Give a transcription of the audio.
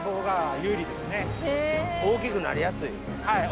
大きくなりやすい？